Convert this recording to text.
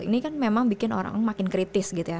ini kan memang bikin orang makin kritis gitu ya